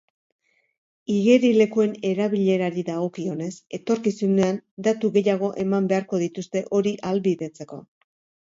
Igerilekuen erabilerari dagokionez, etorkizunean datu gehiago eman beharko dituzte hori ahalbidetzeko.